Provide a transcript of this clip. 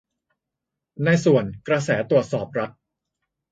ในส่วน 'กระแสตรวจสอบรัฐ'